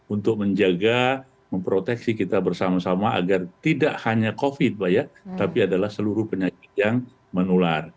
untuk menjaga memproteksi kita bersama sama agar tidak hanya covid pak ya tapi adalah seluruh penyakit yang menular